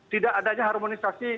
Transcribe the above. tidak adanya harmonisasi